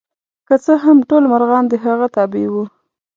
که څه هم ټول مرغان د هغه تابع وو.